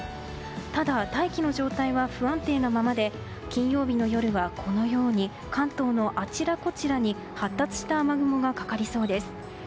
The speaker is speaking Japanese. ただ、大気の状態は不安定なままで金曜日の夜はこのように関東のあちらこちらに発達した雨雲がかかりそうです。